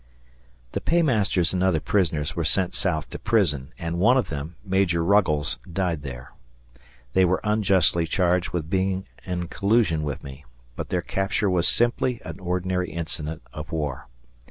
The paymasters and other prisoners were sent south to prison, and one of them, Major Ruggles, died there. They were unjustly charged with being in collusion with me, but their capture was simply an ordinary incident of war.